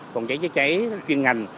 phòng trái chữa trái chuyên ngành